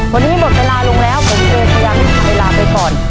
วันนี้หมดเวลาแล้วผมเจ้าควิลเขียนึกเวลาไปก่อน